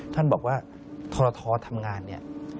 ท่านบอกว่าทรททำงานเนี่ย